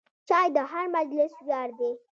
چای د هر مجلس ویاړ دی.